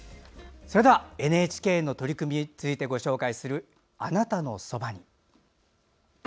ＮＨＫの取り組みについてご紹介する「あなたのそばに」。